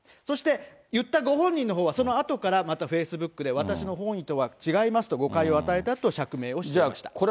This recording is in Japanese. そして、言ったご本人のほうは、そのあとからまたフェイスブックで、私の本意とは違いますと、誤解を与えたと釈明をしました。